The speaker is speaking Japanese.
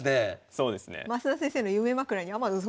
そうですね。